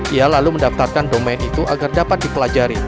ia lalu mendaftarkan domain itu agar dapat dipelajari